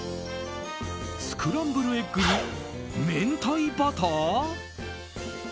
スクランブルエッグに明太バター？